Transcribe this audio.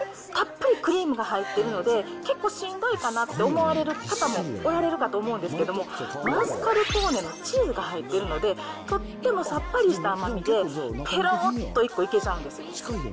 たっぷりクリームが入っているので、結構しんどいかなって思われる方もおられるかと思うんですけども、マスカルポーネのチーズが入っているので、とってもさっぱりした甘みで、ぺろっと１個いけちゃうんですよ。